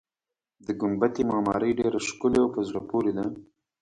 د ګنبدې معمارۍ ډېره ښکلې او په زړه پورې ده.